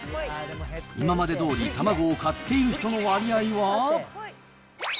今までどおり卵を買っている人の割合は。